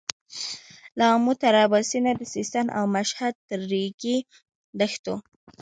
له امو تر اباسينه د سيستان او مشهد تر رېګي دښتو.